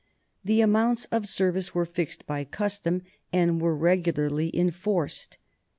The amounts of service were fixed by custom and were regularly enforced.